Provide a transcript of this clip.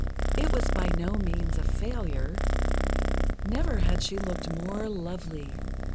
It was by no means a failure. Never had she looked more lovely.